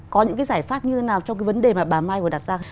có những cái giải pháp như thế nào cho cái vấn đề mà bà mai vừa đặt ra